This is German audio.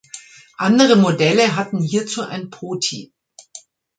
Andere Modelle hatten hierzu ein Poti.